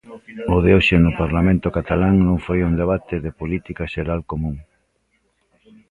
O de hoxe no Parlamento catalán non foi un Debate de Política Xeral común.